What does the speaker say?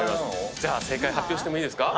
じゃあ正解発表してもいいですか。